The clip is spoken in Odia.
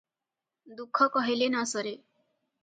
ଦୁଃଖ କହିଲେ ନ ସରେ ।